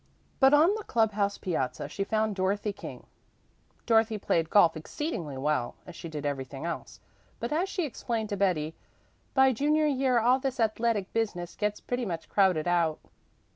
But on the club house piazza she found Dorothy King. Dorothy played golf exceedingly well, as she did everything else; but as she explained to Betty, "By junior year all this athletic business gets pretty much crowded out."